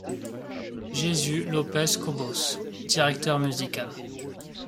Jesús López Cobos: directeur musical.